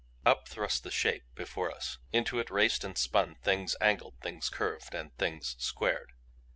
Up thrust the Shape before us. Into it raced and spun Things angled, Things curved and Things squared.